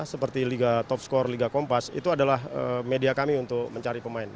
seperti liga top score liga kompas itu adalah media kami untuk mencari pemain